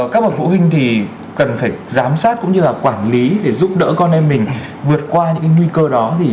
các bậc phụ huynh thì cần phải giám sát cũng như là quản lý để giúp đỡ con em mình vượt qua những nguy cơ đó